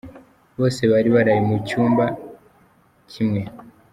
Bose bari baraye mu cyumba kimwe.